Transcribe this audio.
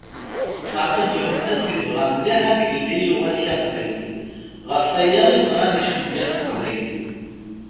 Meɛtub Lwennas yebɣa mliḥ ad yili uwanek aqbayli, ɣef aya i t-nɣan icenga n teqbaylit!